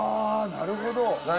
なるほどね。